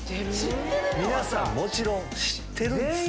皆さんもちろん知ってるんです。